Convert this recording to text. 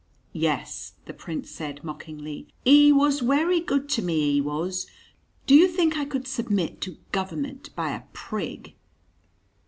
"Yes," the Prince said mockingly. "''E was werry good to me, 'e was.' Do you think I could submit to government by a prig?"